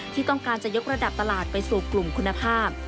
ที่ต้องการจะยกระดับตลาดไปสู่กลุ่มคุณภาพ